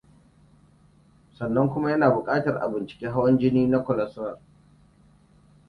sannan kuma yana bukatar a binciki hawan jini na cholesterol